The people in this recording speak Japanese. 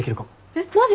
えっマジ？